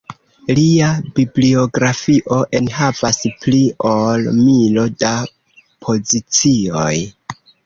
Lia bibliografio enhavas pli ol milo da pozicioj.